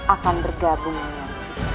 akan bergabung dengan kita